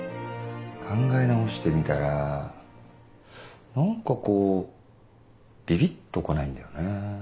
考え直してみたら何かこうビビっと来ないんだよね。